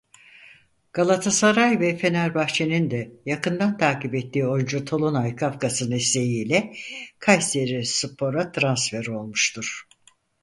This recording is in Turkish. Galatasaray ve Fenerbahçe'nin da yakından takip ettiği oyuncu Tolunay Kafkas'ın isteği ile Kayserispor'a transfer olmuştur.